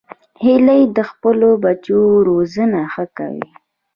هیلۍ د خپلو بچو روزنه ښه کوي